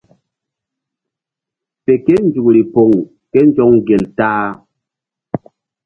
Fe ke nzukri poŋ ké nzɔŋ gel ta-a.